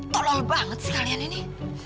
tolol banget sekalian ini